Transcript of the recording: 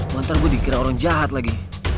lalu gue dikira orang jahat lagi